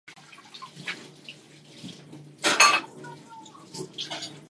Almost as proud as I am of mine.